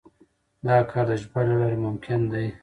دا کار د ژباړې له لارې ممکن دی.